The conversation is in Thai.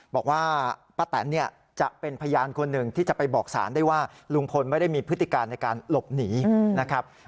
บอกว่าป้าแตนเนี่ยจะเป็นพยานคนหนึ่งที่จะไปบอกศาลได้ว่าลุงพลไม่ได้มีพฤติการในการหลบหนีนะครับ